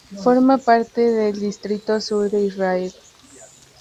Forma parte del Distrito Sur de Israel.